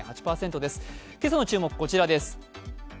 今朝の注目、こちらです。